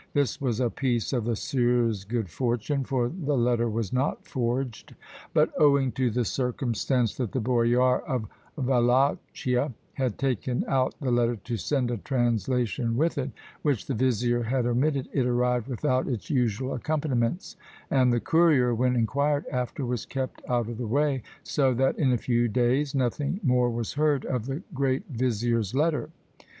This was a piece of the sieur's good fortune, for the letter was not forged; but owing to the circumstance that the Boyar of Wallachia had taken out the letter to send a translation with it, which the vizier had omitted, it arrived without its usual accompaniments; and the courier, when inquired after, was kept out of the way: so that, in a few days, nothing more was heard of the great vizier's letter.